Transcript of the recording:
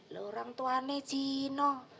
loh orang tuanya cino